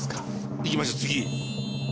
行きましょう次。